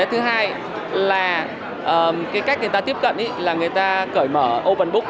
thứ hai là cái cách người ta tiếp cận ấy là người ta cởi mở open book